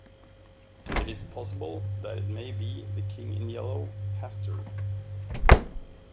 It's possible that it may be the King in Yellow, Hastur.